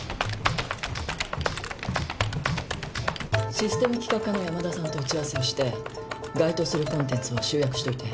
システム企画課の山田さんと打ち合わせをして該当するコンテンツを集約しといて。